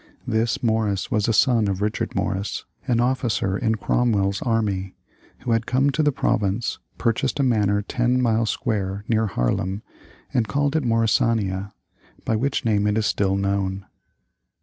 This Morris was a son of Richard Morris, an officer in Cromwell's army, who had come to the province, purchased a manor ten miles square near Harlem, and called it Morrisania by which name it is still known.